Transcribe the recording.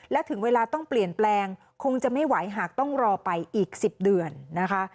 และถึงเวลาต้องเปลี่ยนแปลงคงจะไม่ไหวหากต้องรอไปอีก๑๐เดือนนะคะ